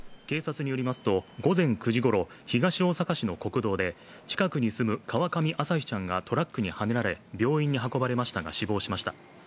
警察によりますと午前９時ごろ東大阪市の国道で近くに住む川上朝輝ちゃんがトラックにはねられ、病院に運ばれましたが死亡しました。